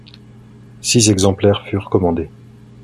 Six exemplaires furent commandés.